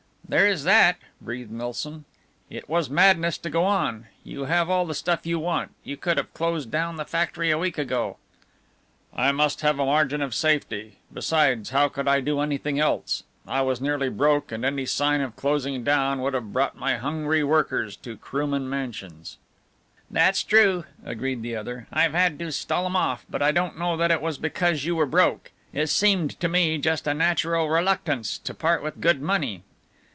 "There is that," breathed Milsom, "it was madness to go on. You have all the stuff you want, you could have closed down the factory a week ago." "I must have a margin of safety besides, how could I do anything else? I was nearly broke and any sign of closing down would have brought my hungry workers to Krooman Mansions." "That's true," agreed the other, "I've had to stall 'em off, but I didn't know that it was because you were broke. It seemed to me just a natural reluctance to part with good money."